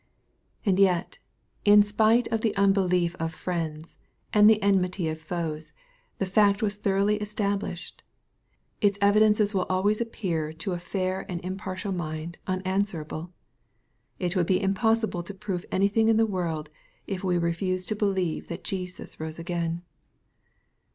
And yet, in spite of the unbelief of friends, and the enmity of foes, the fact was thoroughly estab lished. Its evidences will always appear to a fair and impartial mind unanswerable. It would be impossible to prove anything in the world, if we refuse to believe that Jesus rose again.